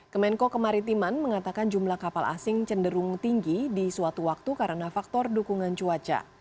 kemenko kemaritiman mengatakan jumlah kapal asing cenderung tinggi di suatu waktu karena faktor dukungan cuaca